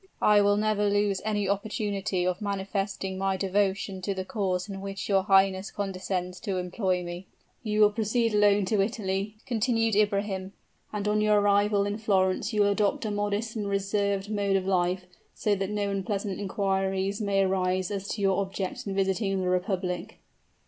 "I will never lose any opportunity of manifesting my devotion to the cause in which your highness condescends to employ me." "You will proceed alone to Italy," continued Ibrahim; "and on your arrival in Florence, you will adopt a modest and reserved mode of life, so that no unpleasant queries may arise as to your object in visiting the republic."